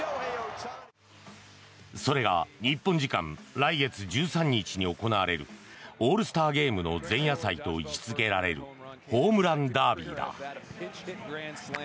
それが、日本時間来月１３日に行われるオールスターゲームの前夜祭と位置付けられるホームランダービーだ。